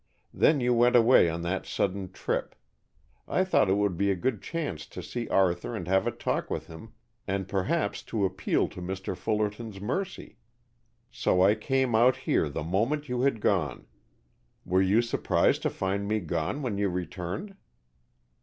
Then you went away on that sudden trip. I thought it would be a good chance to see Arthur and have a talk with him, and perhaps to appeal to Mr. Fullerton's mercy. So I came out here the moment you had gone. Were you surprised to find me gone when you returned?"